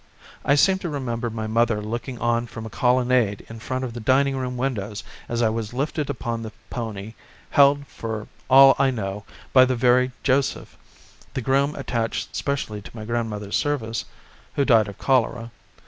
I seem to remember my mother looking on from a colonnade in front of the dining room windows as I was lifted upon the pony, held, for all I know, by the very Joseph the groom attached specially to my grandmother's service who died of cholera.